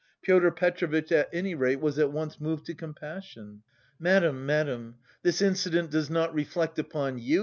Pyotr Petrovitch at any rate was at once moved to compassion. "Madam, madam, this incident does not reflect upon you!"